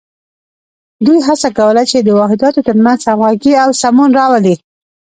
دوی هڅه کوله چې د واحداتو تر منځ همغږي او سمون راولي.